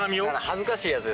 恥ずかしいやつですよね。